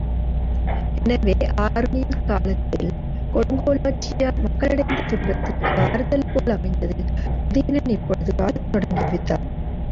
எனவே ஆருணியின் காலத்தில் கொடுங்கோலாட்சியால் மக்களடைந்த துன்பத்திற்கு ஆறுதல்போல அமைந்தது, உதயணன் இப்போது ஆளத் தொடங்கிய விதம்.